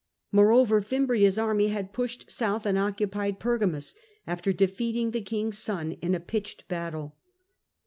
Moreover, Fimbria's army had pushed south and occupied Pergamus, after defeating the king's son in a pitched battle.